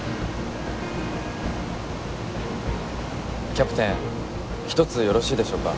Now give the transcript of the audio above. キャプテン一つよろしいでしょうか？